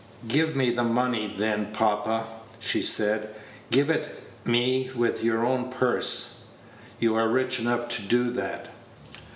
"Give me the money, then, papa," she said. "Give it me from your own purse. You are rich enough to do that."